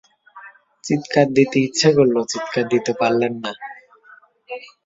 চিৎকার দিতে ইচ্ছে করল, চিৎকার দিতে পারলেন না।